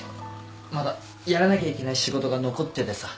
まだやらなきゃいけない仕事が残っててさ。